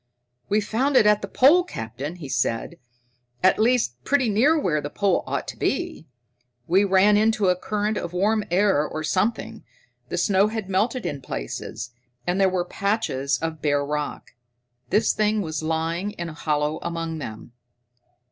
"We found it at the pole, Captain," he said. "At least, pretty near where the pole ought to be. We ran into a current of warm air or something. The snow had melted in places, and there were patches of bare rock. This thing was lying in a hollow among them."